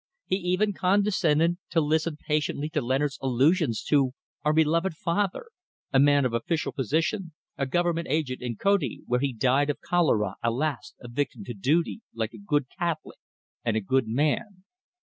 He even condescended to listen patiently to Leonard's allusions to "our beloved father," a man of official position, a government agent in Koti, where he died of cholera, alas! a victim to duty, like a good Catholic, and a good man.